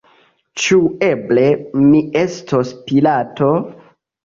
Ĉu eble mi estos Pilato?